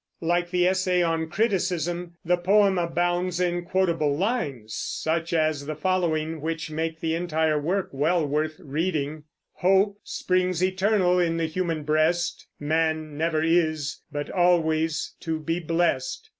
Like the "Essay on Criticism," the poem abounds in quotable lines, such as the following, which make the entire work well worth reading: Hope springs eternal in the human breast: Man never is, but always to be blest.